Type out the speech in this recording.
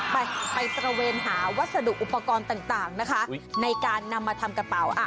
ไปไปตระเวนหาวัสดุอุปกรณ์ต่างนะคะในการนำมาทำกระเป๋า